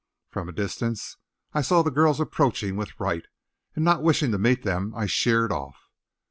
From a distance I saw the girls approaching with Wright, and not wishing to meet them I sheered off.